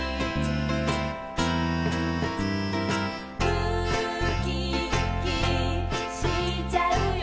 「うきうきしちゃうよ」